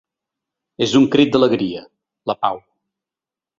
És un crit d’alegria: la pau.